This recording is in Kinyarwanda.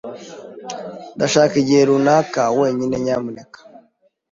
Ndashaka igihe runaka wenyine, nyamuneka.